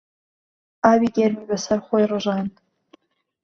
ئاوی گەرمی بەسەر خۆی ڕژاند.